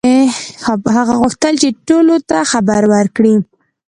هغه غوښتل چې ټولو ته خبر وکړي.